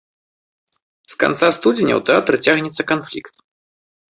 З канца студзеня ў тэатры цягнецца канфлікт.